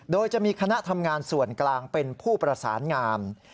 โดยจะมีคณะทำงานส่วนกลางเป็นผู้ประสานงาม